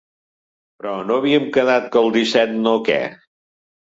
Però no havíem quedat que el disset no que?